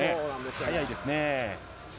速いですよね。